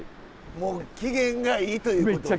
もう機嫌がいいということで。